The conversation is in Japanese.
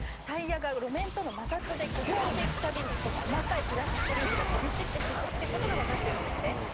タイヤが路面との摩擦で削られていくたびにその細かいプラスチック粒子が飛び散ってしまうっていうことが分かってるんですね。